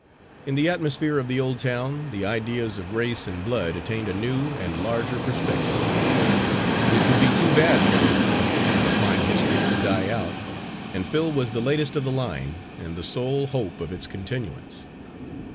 In the atmosphere of the old town the ideas of race and blood attained a new and larger perspective. It would be too bad for an old family, with a fine history, to die out, and Phil was the latest of the line and the sole hope of its continuance.